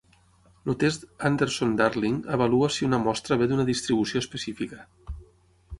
El test Anderson-Darling avalua si una mostra ve d"una distribució específica.